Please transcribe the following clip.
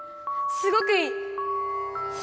すごくいい！